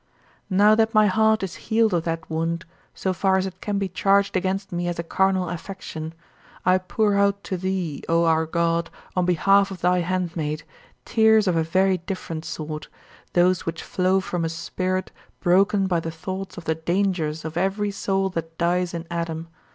Now that my heart is healed of that wound so far as it can be charged against me as a carnal affection I pour out to thee, O our God, on behalf of thy handmaid, tears of a very different sort: those which flow from a spirit broken by the thoughts of the dangers of every soul that dies in Adam.